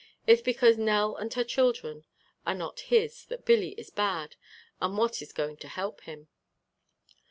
It's because Nell and her children are not his that Billy is bad, and what is going to help him?